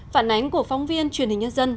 phản ánh của phóng viên truyền hình nhân dân